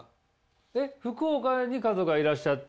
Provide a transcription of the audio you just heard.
えっ福岡に家族がいらっしゃって。